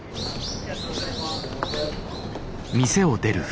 ありがとうございます。